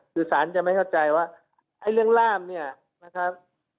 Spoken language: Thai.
คือสารจะไม่เข้าใจว่าไอ้เรื่องล่ามเนี่ยนะครับ